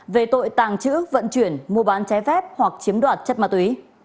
về tội tàng trữ vận chuyển mua bán trái phép hoặc chiếm đoạt chất ma túy